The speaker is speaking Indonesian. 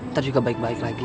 ntar juga baik baik lagi